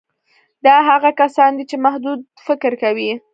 دا هغه کسان دي چې محدود فکر کوي